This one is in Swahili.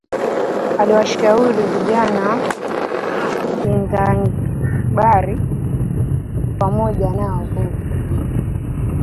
Aliwashauri vijana wa kinzanzibari pamoja na wavuvi